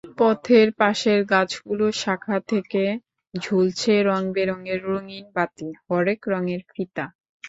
পথের পাশের গাছগুলোর শাখা থেকে ঝুলছে রংবেরঙের রঙিন বাতি, হরেক রঙের ফিতা।